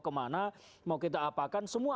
kemana mau kita apakan semua